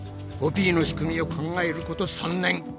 コピーの仕組みを考えること３年。